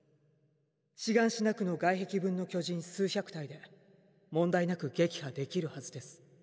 シガンシナ区の外壁分の巨人数百体で問題なく撃破できるはずです。